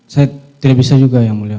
saya tidak bisa juga yang mulia